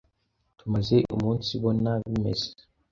Tumaze umunsibona bimeze